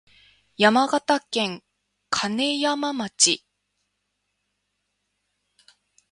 山形県金山町